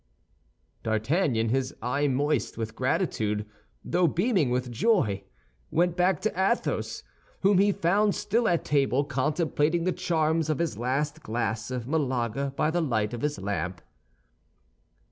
D'Artagnan, his eye moist with gratitude though beaming with joy, went back to Athos, whom he found still at table contemplating the charms of his last glass of Malaga by the light of his lamp.